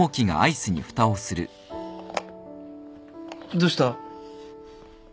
どうした？